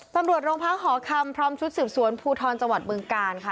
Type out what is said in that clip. ตำรวจโรงพักหอคำพร้อมชุดสืบสวนภูทรจังหวัดบึงกาลค่ะ